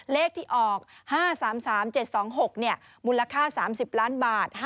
เลขที่ออก๕๓๓๗๒๖มูลค่า๓๐ล้านบาท